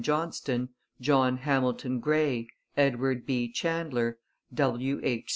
Johnston, John Hamilton Gray, Edward B. Chandler, W. H.